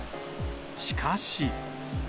しかし。